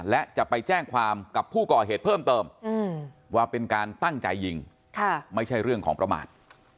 และจะไปแจ้งความกับผู้ก่อเหตุเพิ่มเติมว่าเป็นการตั้งใจยิงไม่ใช่เรื่องของประมาท